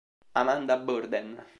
Amanda Borden